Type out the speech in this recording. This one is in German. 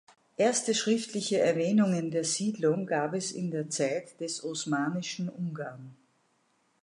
Erste schriftliche Erwähnungen der Siedlung gab es in der Zeit des Osmanischen Ungarn.